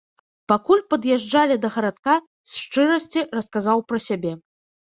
Пакуль пад'язджалі да гарадка, з шчырасці расказаў пра сябе.